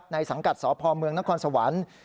สังกัดสพเมืองนครสวรรค์